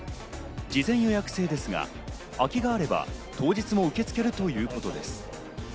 事前予約制ですが、空きがあれば当日も受け付けるということです。